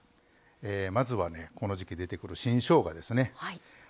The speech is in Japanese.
まずは、この時季出てくる新しょうがですね。